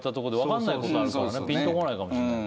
ぴんとこないかもしれない。